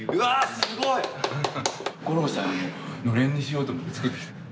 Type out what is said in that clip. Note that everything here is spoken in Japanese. すごい！吾郎さんの暖簾にしようと思って作ってきた。